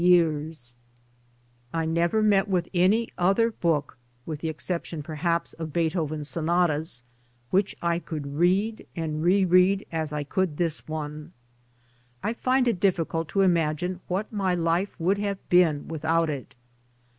5i 8 Towards Democracy I never met with any other book (with the exception perhaps of Beethoven's sonatas) which I could read and re read as I could this one. I find it difficult to imagine what my life would have been without it.